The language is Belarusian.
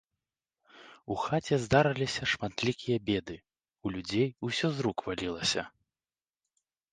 У хаце здараліся шматлікія беды, у людзей усё з рук валілася.